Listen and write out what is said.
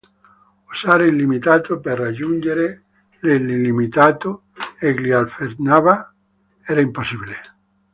Usare il limitato per raggiungere l'illimitato, egli affermava, era impossibile.